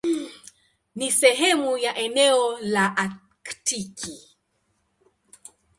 Ni sehemu ya eneo la Aktiki.